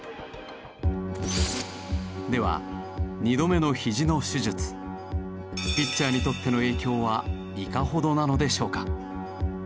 では２度目のひじの手術ピッチャーにとっての影響はいかほどなのでしょうか？